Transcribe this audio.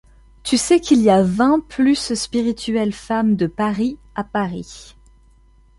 Tu sais qu’il y a vingt plus spirituelles femmes de Paris à Paris.